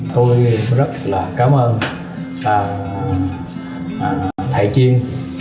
tôi rất là cảm ơn thầy chiên